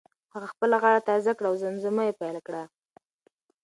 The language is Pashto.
هغه خپله غاړه تازه کړه او زمزمه یې پیل کړه.